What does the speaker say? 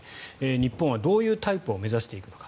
日本はどういうタイプを目指していくのか。